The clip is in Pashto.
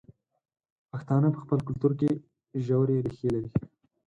پښتانه په خپل کلتور کې ژورې ریښې لري.